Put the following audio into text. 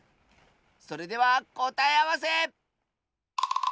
それではこたえあわせ！